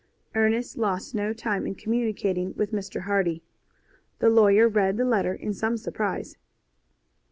Ernest lost no time in communicating with Mr. Hardy. The lawyer read the letter in some surprise.